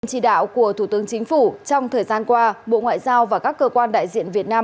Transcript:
chỉ đạo của thủ tướng chính phủ trong thời gian qua bộ ngoại giao và các cơ quan đại diện việt nam